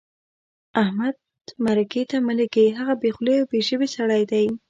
احمد مرکې ته مه لېږئ؛ هغه بې خولې او بې ژبې سړی دی.